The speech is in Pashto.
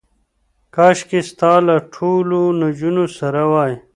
کاشکې ستا له ټولو نجونو سره وای.